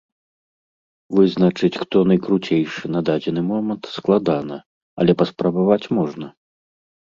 Вызначыць, хто найкруцейшы на дадзены момант, складана, але паспрабаваць можна.